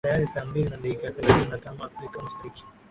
ni tayari saa mbili na dakika thelathini na tano afrika mashariki